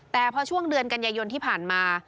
แต่พอช่วงเดือนกันยายนที่ผ่านมา